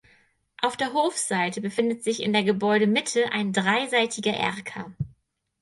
Auf der Hofseite befindet sich in der Gebäudemitte ein dreiseitiger Erker.